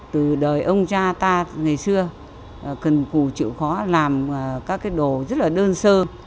từ đời ông cha ta ngày xưa cần cụ chịu khó làm các đồ rất đơn sơ